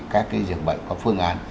các cái dường bệnh có phương án